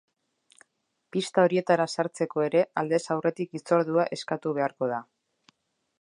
Pista horietara sartzeko ere aldez aurretik hitzordua eskatu beharko da.